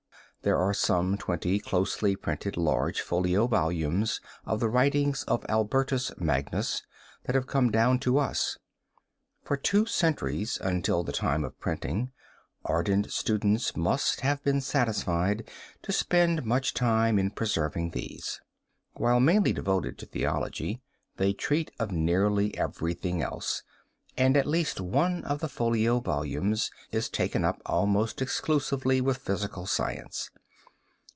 There are some twenty closely printed large folio volumes of the writings of Albertus Magnus that have come down to us. For two centuries, until the time of printing, ardent students must have been satisfied to spend much time in preserving these. While mainly devoted to theology, they treat of nearly everything else, and at least one of the folio volumes is taken up almost exclusively with physical science.